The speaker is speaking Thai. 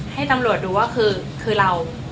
ให้ตำรวจดูว่าคือเรา